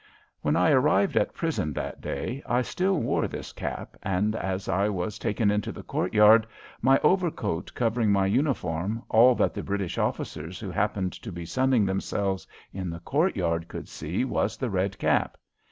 When I arrived at prison that day I still wore this cap, and as I was taken into the courtyard, my overcoat covering my uniform, all that the British officers who happened to be sunning themselves in the courtyard could see was the red cap.